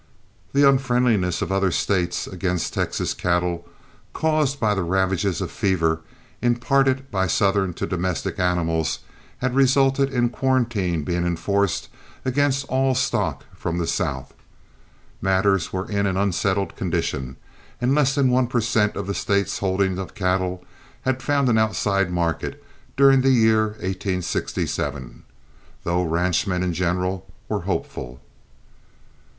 The unfriendliness of other States against Texas cattle, caused by the ravages of fever imparted by southern to domestic animals, had resulted in quarantine being enforced against all stock from the South. Matters were in an unsettled condition, and less than one per cent of the State's holdings of cattle had found an outside market during the year 1867, though ranchmen in general were hopeful.